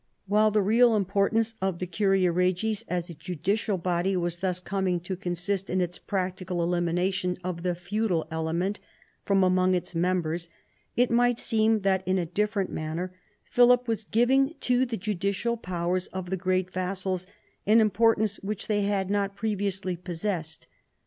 While the real importance of the curia regis as a judicial body was thus coming to consist in its practical elimination of the feudal element from among its members, it might seem that in a different manner Philip was giving to the judicial powers of the great vassals an im portance which they had not previously possessed.